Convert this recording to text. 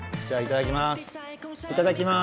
いただきます！